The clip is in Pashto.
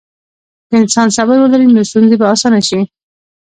که انسان صبر ولري، نو ستونزې به اسانه شي.